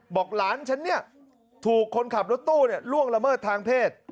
บอกหลานฉันเนี่ยถูกคนขับรถตู้ล่วงละเมิดทางเพศ